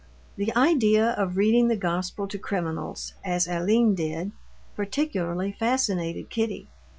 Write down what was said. The idea of reading the Gospel to criminals, as Aline did, particularly fascinated Kitty.